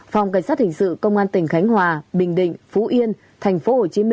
phòng cảnh sát hình sự công an tỉnh khánh hòa bình định phú yên tp hcm